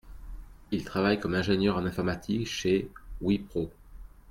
Il travaille comme ingénieur en informatique chez WIPRO.